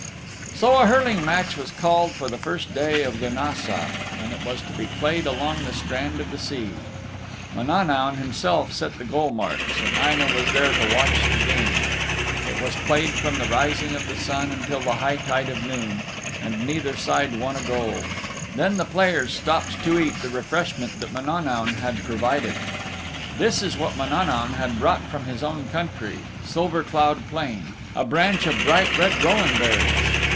So a hurling match was called for the first day of Lunassa, and it was to be played along the strand of the sea. Mananaun himself set the goal marks, and Aine' was there to watch the game. It was played from the rising of the sun until the high tide of noon, and neither side won a goal. Then the players stopped to eat the refreshment that Mananaun had provided. This is what Mananaun had brought from his own country, Silver Cloud Plain: a branch of bright red rowan berries.